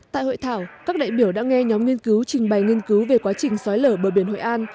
tại hội thảo các đại biểu đã nghe nhóm nghiên cứu trình bày nghiên cứu về quá trình xói lở bờ biển hội an